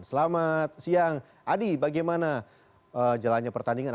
selamat siang adi bagaimana jalannya pertandingan